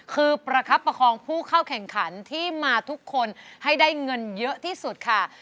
คือประคับประคองผู้เข้าแข่งขันที่มาทุกคนให้ได้เงินเยอะที่สุดค่ะ